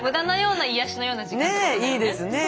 ねえいいですね。